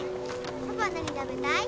パパは何食べたい？